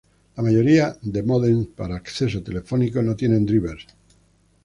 La mayoría de módems para acceso telefónico no tienen "drivers".